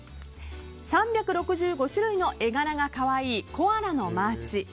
３６５種類の絵柄が可愛いコアラのマーチ。